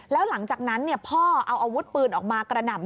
แล้วหลังจากนั้นพ่อเอาอาวุธปืนออกมากระหน่ำ